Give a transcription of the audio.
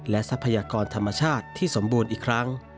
ทรัพยากรธรรมชาติที่สมบูรณ์อีกครั้ง